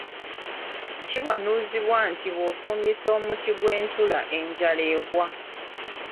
Kiwanuuzibwa nti bw'ofumbisa omuti gw'entula enjala egwa.